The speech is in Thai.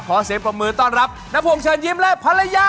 ขอเสพประมือต้อนรับณผวงเชิญยิ้มและภรรยา